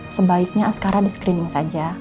sebaiknya askara di screening saja